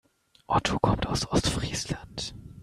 Otto kommt aus Ostfriesland.